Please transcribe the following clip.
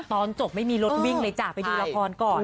ตอนจบไม่มีรถวิ่งเลยจ้ะไปดูละครก่อน